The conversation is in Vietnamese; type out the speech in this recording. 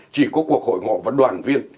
chỉ có cuộc hội ngộ và đoàn viên